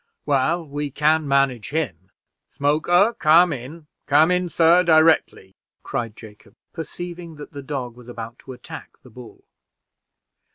Well, we can manage him. Smoker, come in. Come in, sir, directly," cried Jacob, perceiving that the dog was about to attack the bull.